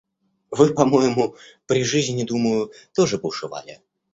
Вы по-моему при жизни – думаю — тоже бушевали.